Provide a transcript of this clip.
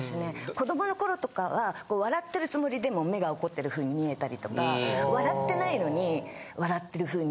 子どもの頃とかは笑ってるつもりでも目が怒ってるふうに見えたりとか笑ってないのに笑ってるふうに見えたり。